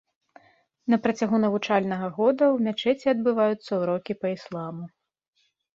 На працягу навучальнага года ў мячэці адбываюцца ўрокі па ісламу.